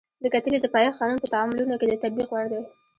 د کتلې د پایښت قانون په تعاملونو کې د تطبیق وړ دی.